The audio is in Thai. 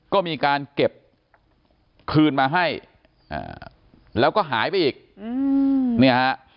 ก็มีการเก็บคืนมาให้แล้วก็หายไปอีก